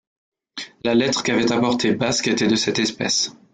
La lettre qu’avait apportée Basque était de cette espèce.